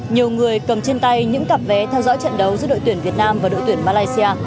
nhiều người cầm trên tay những cặp vé theo dõi trận đấu giữa đội tuyển việt nam và đội tuyển malaysia